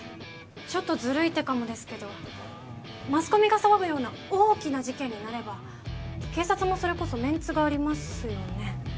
ちょっとずるい手かもですけどマスコミが騒ぐような大きな事件になれば警察もそれこそメンツがありますよね